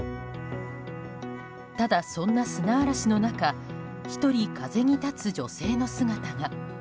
ただ、そんな砂嵐の中１人風に立つ女性の姿が。